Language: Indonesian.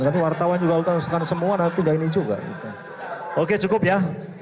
karena wartawan semua nanti nggak ini juga oke cukup ya